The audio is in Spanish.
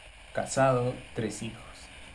Casado, tres hijos.